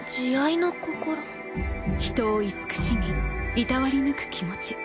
人をいつくしみいたわりぬく気持ち。